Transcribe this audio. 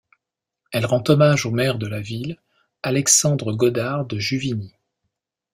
Elle rend hommage au maire de la ville Alexandre Godart de Juvigny.